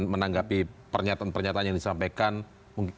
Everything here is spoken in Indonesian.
menanggapi pernyataan pernyataan yang disampaikan